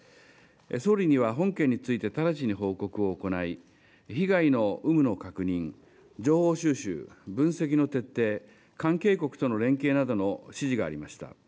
総理には本件について直ちに報告を行い、被害の有無の確認、情報収集、分析の徹底、関係国との連携などの指示がありました。